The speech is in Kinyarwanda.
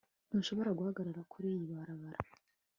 Ntushobora guhagarara kuriyi barabara